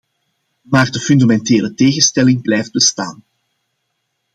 Maar de fundamentele tegenstelling blijft bestaan.